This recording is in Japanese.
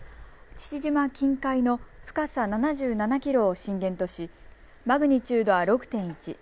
父島近海の深さ７７キロを震源としマグニチュードは６．１。